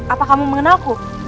apa kamu mengenalku